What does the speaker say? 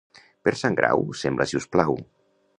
Per Sant Grau, sembra si us plau.